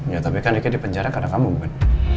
ya tapi kan diki di penjara karena kamu bukan